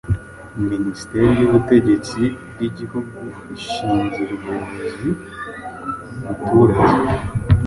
Minisiteri y’Ubutegetsi bw’Igihugu ishingira ubuyobozi ku muturage